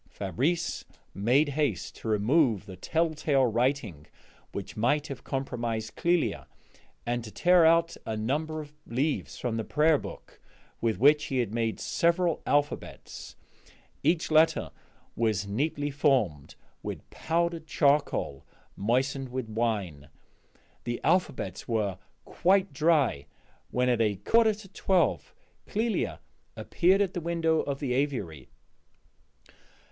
Fabrice made haste to remove the telltale writing which might have compromised Clélia, and to tear out a number of leaves from the prayer book, with which he made several alphabets; each letter was neatly formed with powdered charcoal moistened with wine. The alphabets were quite dry when at a quarter to twelve Clélia appeared at the window of the aviary.